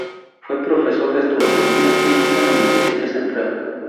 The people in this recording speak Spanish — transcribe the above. Fue profesor de Astronomía Física en la Universidad Central.